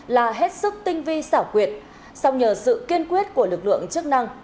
là hết sức tinh vi xảo quyệt song nhờ sự kiên quyết của lực lượng chức năng